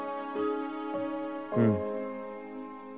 『うん。